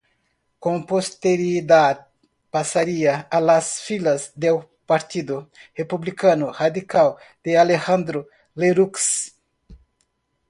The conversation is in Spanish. Con posterioridad pasaría a las filas del Partido Republicano Radical de Alejandro Lerroux.